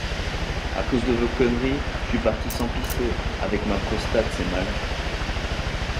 À cause de vos conneries, je suis parti sans pisser, avec ma prostate c’est malin.